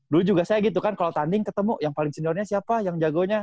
dulu juga saya gitu kan kalau tanding ketemu yang paling seniornya siapa yang jagonya